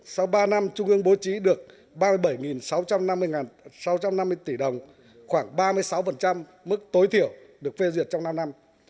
sau ba năm trung ương bố trí được ba mươi bảy sáu trăm năm mươi tỷ đồng khoảng ba mươi sáu mức tối thiểu được phê duyệt trong năm năm